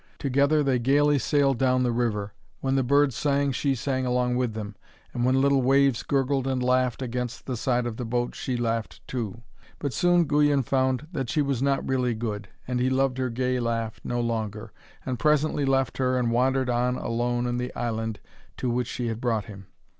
Together they gaily sailed down the river. When the birds sang, she sang along with them, and when little waves gurgled and laughed against the side of the boat, she laughed too. But soon Guyon found that she was not really good, and he loved her gay laugh no longer, and presently left her and wandered on alone in the island to which she had brought him.